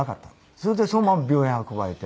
それでそのまま病院へ運ばれて。